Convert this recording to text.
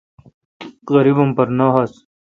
غریب ام پر نہ ہنس۔